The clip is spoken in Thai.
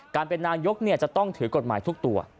การเป็นนายกจะต้องถือกฎหมายทุกตัว